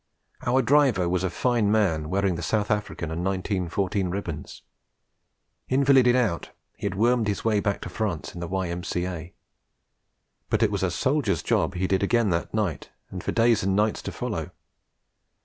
Our driver was a fine man wearing the South African and 1914 ribbons. Invalided out, he had wormed his way back to France in the Y.M.C.A.; but it was a soldier's job he did again that night, and for days and nights to follow.